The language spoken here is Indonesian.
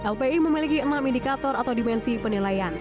lpi memiliki enam indikator atau dimensi penilaian